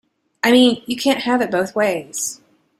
I mean, you can't have it both ways.